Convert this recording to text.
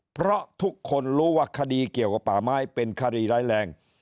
เพราะทุกคนรู้ว่าคดีเกี่ยวกับป่าไม้เป็นคดีร้ายแรง